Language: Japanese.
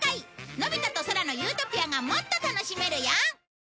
『のび太と空の理想郷』がもっと楽しめるよ！